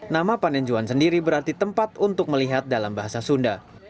nama panenjuan sendiri berarti tempat untuk melihat dalam bahasa sunda